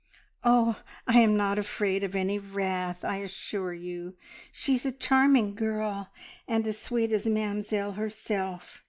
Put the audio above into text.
"Oh, I am not afraid of any wrath, I assure you. She's a charming girl, and as sweet as Mamzelle herself.